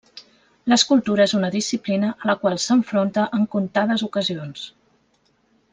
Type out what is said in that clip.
L'escultura és una disciplina a la qual s'enfronta en comptades ocasions.